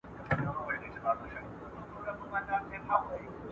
کارګرانو وویل چي دوی خپل کار ته دوام ورکوي.